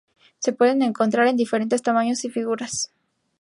Se pueden encontrar de diferentes tamaños y figuras.